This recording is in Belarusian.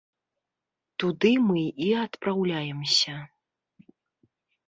Туды мы і адпраўляемся.